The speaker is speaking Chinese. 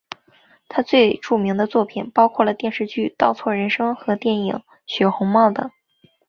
他最著名的作品包括了电视剧倒错人生和电影血红帽等。